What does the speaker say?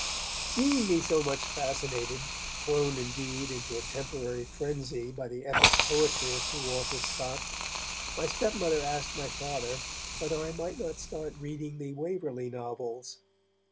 Seeing me so much fascinated, thrown indeed into a temporary frenzy, by the epic poetry of Sir Walter Scott, my stepmother asked my Father whether I might not start reading the Waverley Novels.